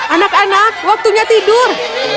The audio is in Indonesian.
anak anak waktunya tidur